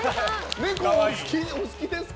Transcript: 猫、お好きですか？